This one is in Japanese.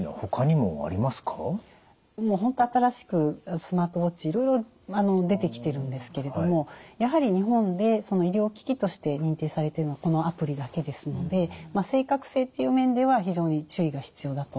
もう本当新しくスマートウォッチいろいろ出てきてるんですけれどもやはり日本で医療機器として認定されてるのはこのアプリだけですので正確性という面では非常に注意が必要だと思います。